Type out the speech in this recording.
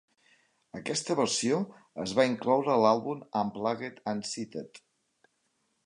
Aquesta versió es va incloure a l'àlbum "Unplugged...and Seated".